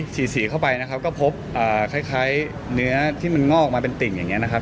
สีสีเข้าไปนะครับก็พบคล้ายเนื้อที่มันงอกมาเป็นติ่งอย่างนี้นะครับ